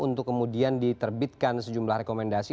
untuk kemudian diterbitkan sejumlah rekomendasi